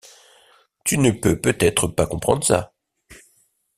Tu ne peux peut-être pas comprendre ça !